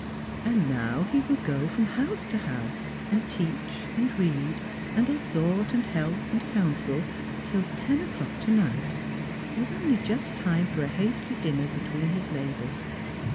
And now he will go from house to house, and teach, and read, and exhort, and help, and counsel, till tea o'clock to night, with only just time for a hasty dinner between his labours.